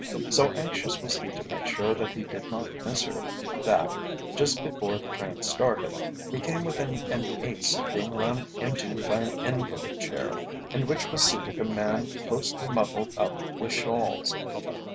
So anxious was he to make sure that he did not miss her, that, just before the train started, he came within an ace of being run into by an invalid chair, in which was seated a man closely muffled up with shawls.